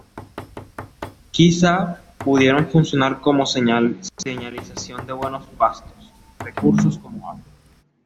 Quizá pudieron funcionar como señalización de buenos pastos, recursos como agua.